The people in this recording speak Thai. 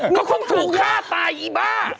ก็คงถูกฆ่าตายอีบ้า